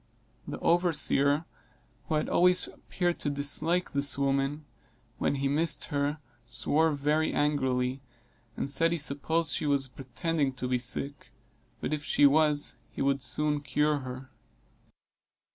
The overseer, who had always appeared to dislike this woman, when he missed her, swore very angrily, and said he supposed she was pretending to be sick, but if she was he would soon cure her.